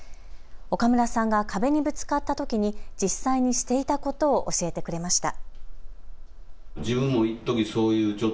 岡村さんが壁にぶつかったときに実際にしていたことを教えてくれました。